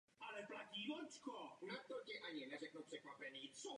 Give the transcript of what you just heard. V tomto ohledu pracuje v rámci nadace řada komisí.